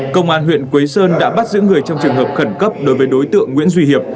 công an huyện quế sơn đã bắt giữ người trong trường hợp khẩn cấp đối với đối tượng nguyễn duy hiệp